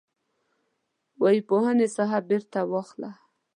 د ويي پوهنې ساحه بیرته واخله.